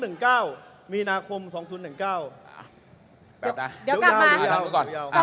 เดี๋ยวกลับมา